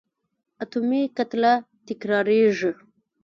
اتومي کتله تکرارېږي.